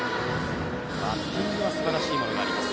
バッティングはすばらしいものがあります。